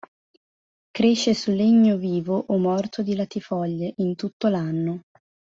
Cresce su legno vivo o morto di latifoglie, in tutto l'anno.